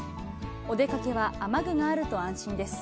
お出かけは雨具があると安心です。